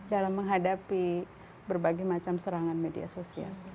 dalam menghadapi berbagai macam serangan media sosial